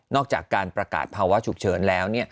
จากการประกาศภาวะฉุกเฉินแล้ว